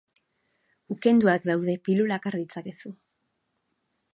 Ukenduak daude, pilulak har ditzakezu.